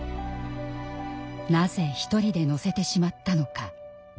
「なぜひとりで乗せてしまったのか」。